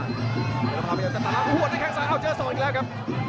เย็นรภามันยังจะตัดล้างโอ้โหได้แก้งซ้ายเอาเจ้าซอดอีกแล้วครับ